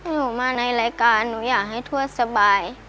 หนูมาในรายการหนูอยากให้ทวดสบาย